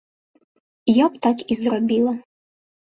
Я б так і зрабіла.